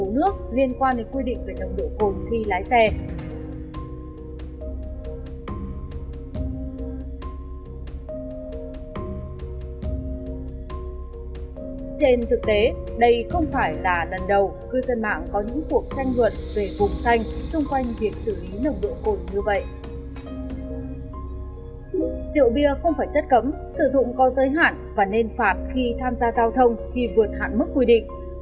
rượu bia không phải chất cấm sử dụng có giới hạn và nên phạt khi tham gia giao thông khi vượt hạn mức quy định